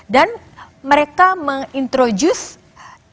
dan mereka menginterjus cara cara itu dengan cara cara yang lebih berkualitas